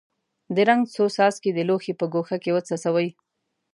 د رنګ څو څاڅکي د لوښي په ګوښه کې وڅڅوئ.